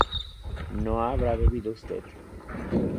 ¿no habrá bebido usted?